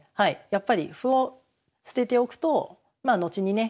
やっぱり歩を捨てておくと後にね